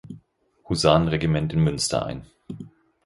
Husarenregiment in Münster ein.